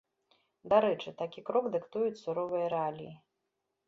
Дарэчы, такі крок дыктуюць суровыя рэаліі.